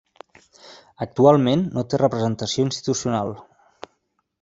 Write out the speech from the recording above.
Actualment no té representació institucional.